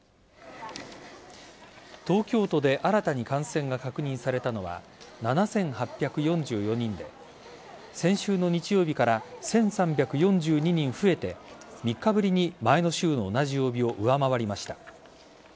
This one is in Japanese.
東京都で新たに感染が確認されたのは７８４４人で先週の日曜日から１３４２人増えて３日ぶりに前の週の同じ曜日を上回りました。